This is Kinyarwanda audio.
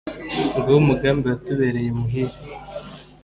ng’uwo umugambi watubereye muhire,